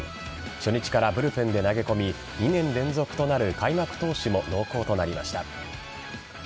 初日からブルペンで投げ込み２年連続となる開幕投手も濃厚となりました。